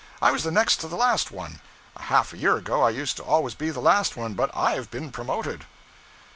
I was the next to the last one. A half a year ago I used to always be the last one; but I've been promoted.'